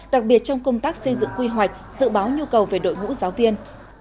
đặc biệt trong công tác xây dựng quy hoạch dự báo nhu cầu về đội ngũ giáo viên